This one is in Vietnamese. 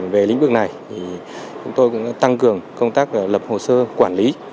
về lĩnh vực này chúng tôi cũng tăng cường công tác lập hồ sơ quản lý